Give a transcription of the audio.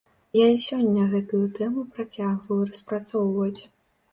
Я і сёння гэтую тэму працягваю распрацоўваць.